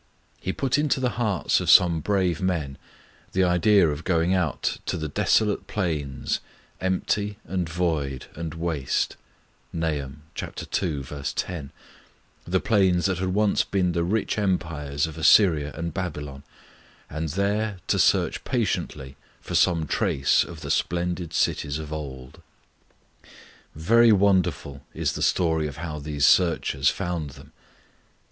He put into the hearts of some brave men the idea of going out to the desolate plains, 'empty and void, and waste' (Nahum ii. 10), the plains that had once been the rich empires of Assyria and Babylon, and there to search patiently for some trace of the splendid cities of old. Very wonderful is the story of how these searchers found them.